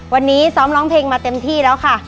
วันนี้ซ้อมร้องเพลงมาเต็มที่แล้วค่ะ